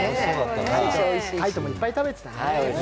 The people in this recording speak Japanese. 海音もいっぱい食べてたね。